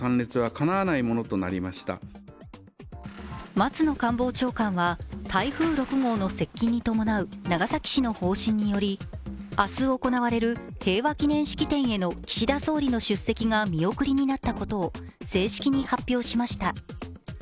松野官房長官は台風６号の接近に伴う長崎市の方針により、明日行われる平和祈念式典への岸田総理の出席が見送りになったことを正式に発表しました。